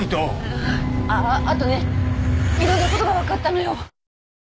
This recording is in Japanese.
あっあとねいろんなことが分かったのよ。